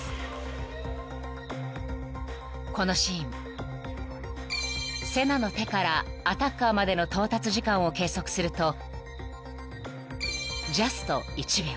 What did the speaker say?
［このシーンセナの手からアタッカーまでの到達時間を計測するとジャスト１秒］